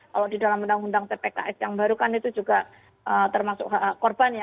kalau di dalam undang undang tpks yang baru kan itu juga termasuk korban ya